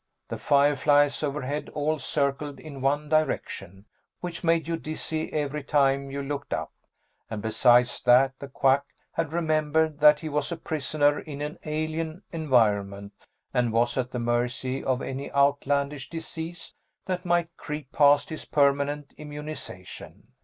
The fireflies overhead all circled in one direction, which made you dizzy every time you looked up, and besides that the Quack had remembered that he was a prisoner in an alien environment and was at the mercy of any outlandish disease that might creep past his permanent immunization.